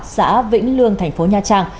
xã vĩnh lương thành phố nha trang